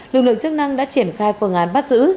lực lượng chức năng đã triển khai phương án bắt giữ